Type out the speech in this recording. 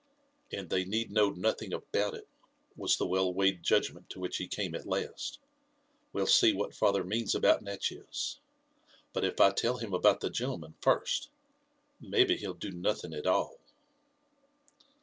And they need know nothing about it," was the well weighed judgment to which he came at last. '' We'll see what father means about Natchez ; but if I tell him about the gentleman first, maybe be'U do nothing at all."